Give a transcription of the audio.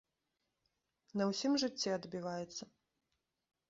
На ўсім жыцці адбіваецца.